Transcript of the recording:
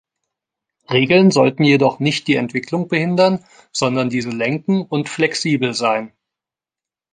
Regeln sollten jedoch nicht die Entwicklung behindern, sondern diese lenken und flexibel sein.